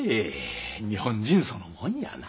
日本人そのもんやな。